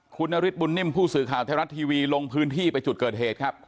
คุณนฤทธบุญนิ่มผู้สื่อข่าวไทยรัฐทีวีลงพื้นที่ไปจุดเกิดเหตุครับ